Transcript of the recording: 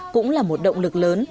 cũng là một động lực lớn